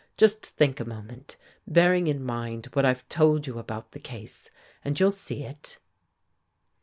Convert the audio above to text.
Just think a moment, bearing in mind what I've told you about the case, and you'll see it."